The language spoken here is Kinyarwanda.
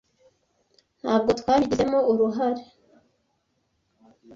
Ntabwo twabigizemo uruhare.